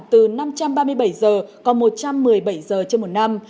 từ năm trăm ba mươi bảy giờ còn một trăm một mươi bảy giờ trên một năm